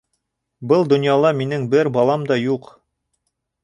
Был донъяла минең бер балам да юҡ.